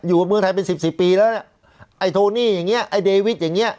อยู่เมืองไทยเป็นสิบสิบปีแล้วเนี่ยไอ้โทนี่อย่างเงี้ไอ้เดวิสอย่างเงี้